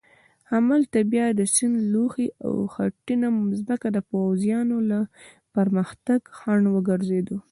همالته بیا د سیند لوخې او خټینه مځکه د پوځیانو د پرمختګ خنډ ګرځېده.